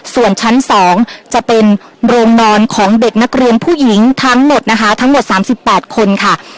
ส่วนชั้น๒จะเป็นโรงนอนของเด็กนักเรียนผู้หญิงทั้งหมดนะคะทั้งหมด๓๘คนค่ะ